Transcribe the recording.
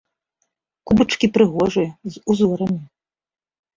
Кубачкі прыгожыя, з узорамі.